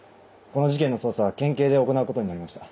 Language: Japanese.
この事件の捜査は県警で行うことになりました。